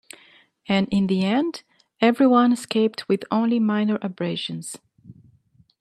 And in the end, everyone escaped with only minor abrasions.